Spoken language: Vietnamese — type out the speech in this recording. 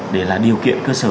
để là điều kiện cơ sở